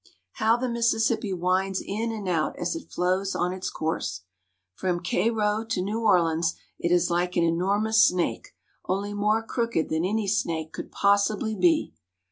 How the Mississippi winds in and out as it flows on its course ! From Cairo to New Orleans it is like an enormous snake, only more crooked than any snake could possibly be.